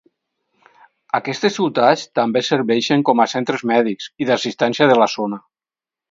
Aquestes ciutats també serveixen com a centres mèdics i d'assistència de la zona.